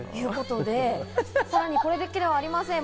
これだけではありません。